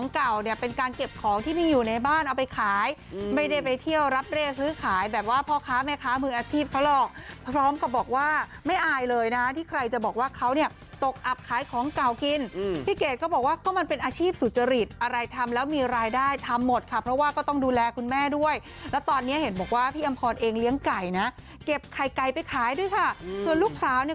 ทางเก็บของที่มีอยู่ในบ้านเอาไปขายไม่ได้ไปเที่ยวรับเรทซื้อขายแบบว่าพ่อค้าแม่ค้ามืออาชีพเขาหรอกพร้อมกับบอกว่าไม่อายเลยนะที่ใครจะบอกว่าเขาเนี่ยตกอับขายของเก่ากินพี่เกดก็บอกว่าก็มันเป็นอาชีพสุจริตอะไรทำแล้วมีรายได้ทำหมดค่ะเพราะว่าก็ต้องดูแลคุณแม่ด้วยแล้วตอนนี้เห็นบอกว่าพี่อำพอลเองเลี้